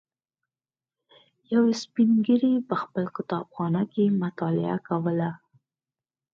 یوه سپین ږیري په خپل کتابخانه کې مطالعه کوله.